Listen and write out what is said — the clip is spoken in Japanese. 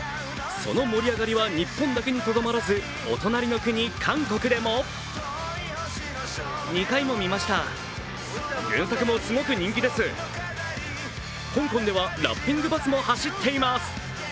その盛り上がりは日本だけにとどまらず、お隣の国、韓国でも香港ではラッピングバスも走っています。